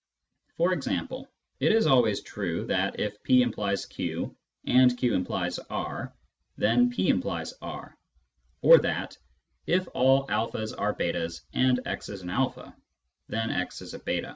For example, it is always true that if p implies q and q implies r then p implies r, or that, if all a's are j8's and x is an a then x is a j8.